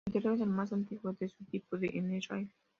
El teatro es el más antiguo de su tipo en Israel.